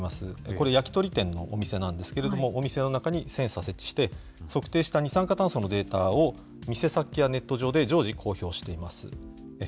これ、焼き鳥店のお店なんですけれども、お店の中にセンサー設置して、測定した二酸化炭素のデータを店先やネット上で常時、公表しています。